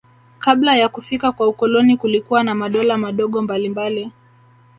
Kabla ya kufika kwa ukoloni kulikuwa na madola madogo mbalimbali